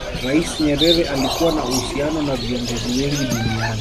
rais nyerere alikuwa na uhusiano na viongozi wengi duniani